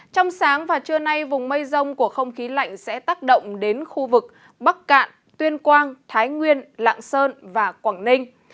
trong sáng và trưa nay vùng mây rông của không khí lạnh sẽ tác động đến khu vực bắc cạn tuyên quang thái nguyên lạng sơn và quảng ninh